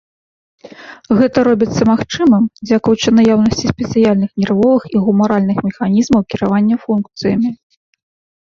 Гэта робіцца магчымым дзякуючы наяўнасці спецыяльных нервовых і гумаральных механізмаў кіравання функцыямі.